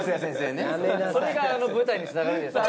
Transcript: それがあの舞台につながるんですね。